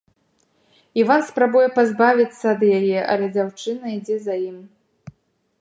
Іван спрабуе пазбавіцца ад яе, але дзяўчына ідзе за ім.